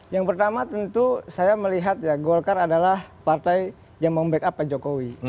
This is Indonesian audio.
yang pertama tentu saya melihat ya golkar adalah partai yang membackup pak jokowi